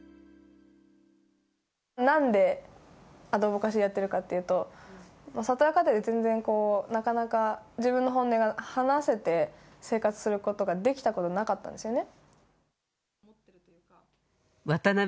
なんでアドボカシーをやっているかというと里親家庭で全然こうなかなか自分の本音が話せて生活することができたことがなかったんですよね。